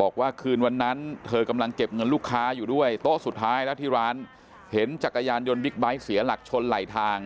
บอกว่าคืนวันนั้นเธอกำลังเก็บเงินลูกค้าอยู่ด้วยโต๊ะสุดท้ายแล้วที่ร้านเห็นจักรยานยนต์บิ๊กไบท์เสียหลักชนไหลทาง